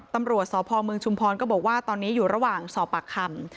ตำรวจสพเมืองชุมพรก็บอกว่าตอนนี้อยู่ระหว่างสอบปากคำ